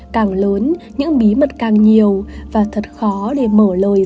càng lớn những bí mật càng nhiều và thật khó để mở lời